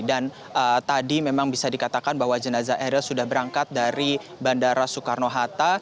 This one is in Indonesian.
dan tadi memang bisa dikatakan bahwa jenazah eril sudah berangkat dari bandara soekarno hatta